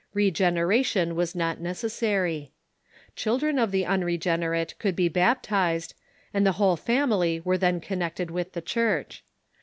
Regeneration was not necessary. Children of the unregenerate could be baptized, and the whole family were then connected with the Church.